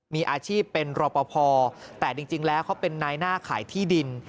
มีอาชีพเป็นรอปภแต่จริงแล้วเขาเป็นนายหน้าขายที่ดิน